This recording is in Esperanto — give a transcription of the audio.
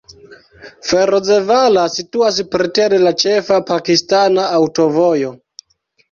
Ferozevala situas preter la ĉefa pakistana aŭtovojo.